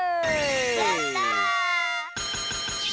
やった！